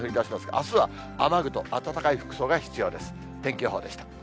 あすは雨具と暖かい服装が必要です。